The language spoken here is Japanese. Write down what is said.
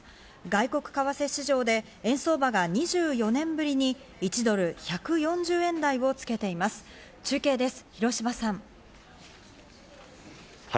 外国為替市場で円相場が２４年ぶりに一時、１ドル＝１４０円台をつけています。